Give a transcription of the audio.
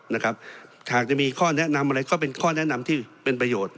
นะครับหากจะมีข้อแนะนำอะไรก็เป็นข้อแนะนำที่เป็นประโยชน์